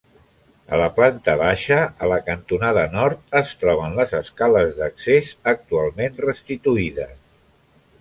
A la planta baixa, a la cantonada nord, es troben les escales d'accés, actualment restituïdes.